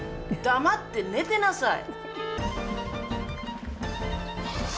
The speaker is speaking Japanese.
黙って寝てなさい。